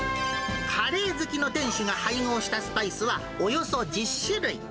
カレー好きの店主が配合したスパイスはおよそ１０種類。